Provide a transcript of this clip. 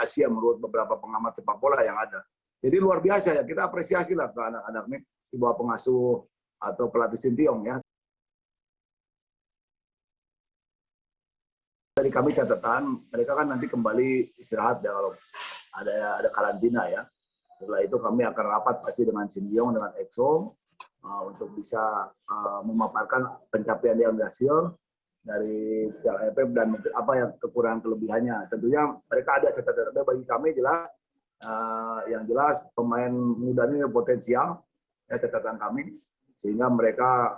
siapapun pemain yang akan di hire